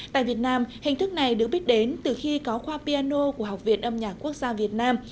tại việt nam hình thức này được biết đến từ khi có khoa piano của học viện âm nhạc quốc gia việt nam